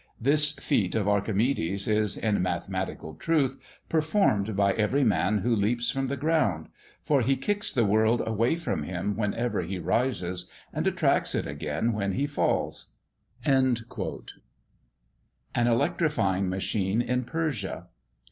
This feat of Archimedes is, in mathematical truth, performed by every man who leaps from the ground; for he kicks the world away from him whenever he rises, and attracts it again when he falls." AN ELECTRIFYING MACHINE IN PERSIA.